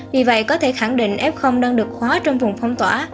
vì vậy có thể khẳng định f đang được khóa trong vùng phong tỏa